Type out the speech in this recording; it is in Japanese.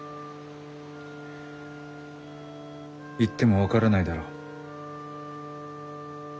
言っても分からないだろう？